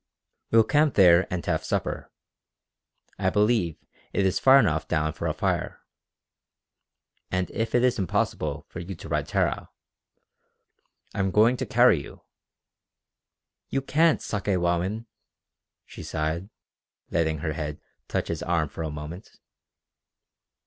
"We'll camp there and have supper. I believe it is far enough down for a fire. And if it is impossible for you to ride Tara I'm going to carry you!" "You can't, Sakewawin" she sighed, letting her head touch his arm for a moment.